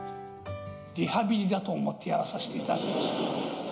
リハビリだと思ってやらせていただきます。